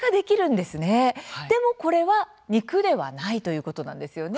でもこれは肉ではないということなんですよね。